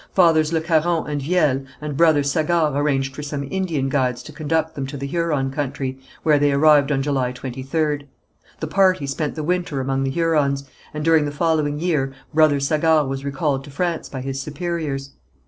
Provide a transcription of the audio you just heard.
Fathers Le Caron and Viel, and Brother Sagard arranged for some Indian guides to conduct them to the Huron country, where they arrived on July 23rd. The party spent the winter among the Hurons, and during the following year Brother Sagard was recalled to France by his superiors.